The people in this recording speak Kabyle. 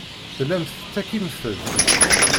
Tellamt tettakimt-d.